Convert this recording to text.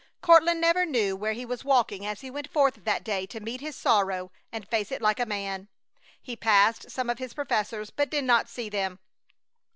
Courtland never knew where he was walking as he went forth that day to meet his sorrow and face it like a man. He passed some of his professors, but did not see them.